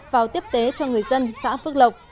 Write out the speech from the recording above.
vào tiếp tế cho người dân xã phước lộc